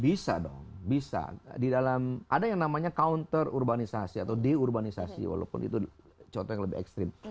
bisa dong bisa di dalam ada yang namanya counter urbanisasi atau de urbanisasi walaupun itu contoh yang lebih ekstrim